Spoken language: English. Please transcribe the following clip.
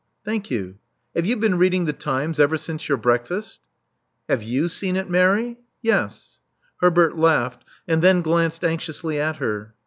•* Thank you. Have you been reading the Times ever since your breakfast?" •*Havejv^« seen it, Mary?" "Yes." Herbert laughed, and then glanced anxiously at her.